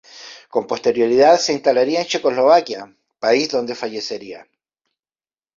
Con posterioridad se instalaría en Checoslovaquia, país donde fallecería.